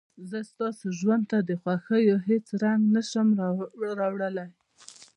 زه ستاسو ژوند ته د خوښيو هېڅ رنګ نه شم راوړلى.